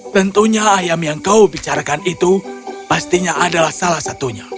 tentunya ayam yang kau bicarakan itu pastinya adalah salah satunya